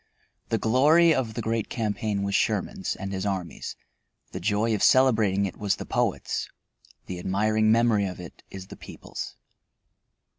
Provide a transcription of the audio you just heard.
The glory of the great campaign was Sherman's and his army's; the joy of celebrating it was the poet's; the admiring memory of it is the people's.